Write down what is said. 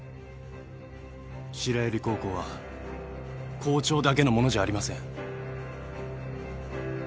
白百合高校は校長だけのものじゃありません。